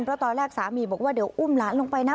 เพราะตอนแรกสามีบอกว่าเดี๋ยวอุ้มหลานลงไปนะ